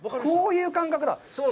こういう感覚だ。